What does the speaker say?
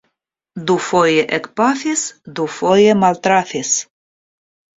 Dufoje ekpafis; dufoje maltrafis.